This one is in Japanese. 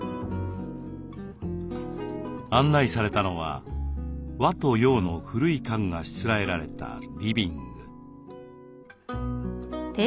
案内されたのは和と洋の古い家具がしつらえられたリビング。